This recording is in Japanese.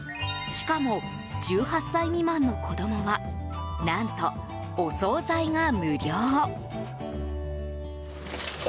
しかも１８歳未満の子供は何と、お総菜が無料。